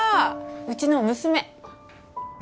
うちの娘。